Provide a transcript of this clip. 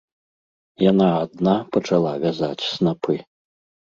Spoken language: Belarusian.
Яна адна пачала вязаць снапы.